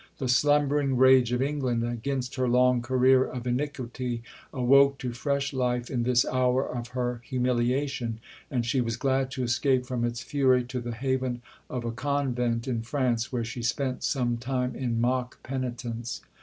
The slumbering rage of England against her long career of iniquity awoke to fresh life in this hour of her humiliation, and she was glad to escape from its fury to the haven of a convent in France, where she spent some time in mock penitence.